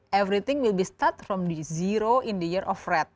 semuanya akan dimulai dari pada tahun merah